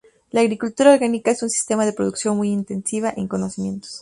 La Agricultura Orgánica es un sistema de producción muy intensiva en conocimientos.